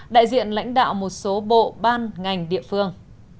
đại diện lãnh đạo một số bộ ban ngành địa phương